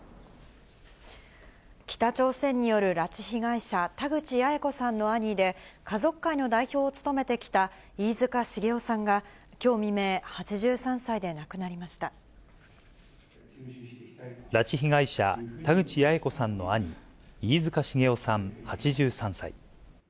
北朝鮮による拉致被害者、田口八重子さんの兄で、家族会の代表を務めてきた飯塚繁雄さんがきょう未明、８３歳で亡拉致被害者、田口八重子さんの兄、飯塚繁雄さん８３歳。